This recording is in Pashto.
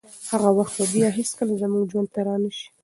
هغه وخت به بیا هیڅکله زموږ ژوند ته رانشي.